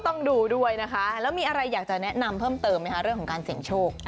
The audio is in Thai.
ต้องดูด้วยนะคะแล้วมีอะไรอยากจะแนะนำเพิ่มเติมไหมคะเรื่องของการเสี่ยงโชค